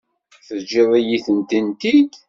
Teǧǧiḍ-iyi-tent-id?